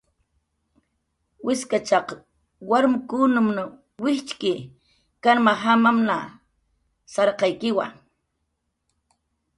Wiskachaq warmkunmn wijtxki karmajamanmna, sarqaykiwa.